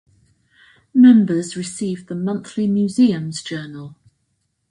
Members receive the monthly "Museums Journal".